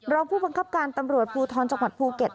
รองผู้บังคับการตำรวจภูทรจังหวัดภูเก็ต